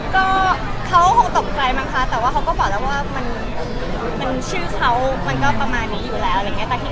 ก็เขาคงตกใจมั้งคะแต่ว่าเขาก็บอกแล้วว่ามันชื่อเขามันก็ประมาณนี้อยู่แล้วอะไรอย่างนี้